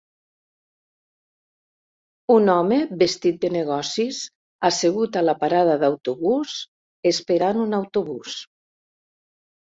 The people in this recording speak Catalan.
Un home vestit de negocis assegut a la parada d'autobús esperant un autobús.